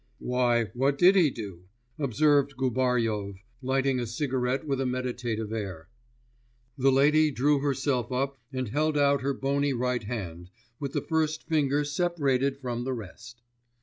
'Why, what did he do?' observed Gubaryov, lighting a cigarette with a meditative air. The lady drew herself up and held out her bony right hand, with the first finger separated from the rest.